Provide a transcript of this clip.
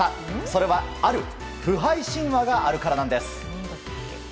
それは、ある不敗神話があるからなんです。